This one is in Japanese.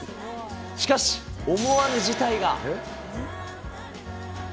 しかし、思わぬ事態が。